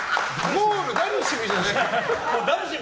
ゴールダルシムじゃない。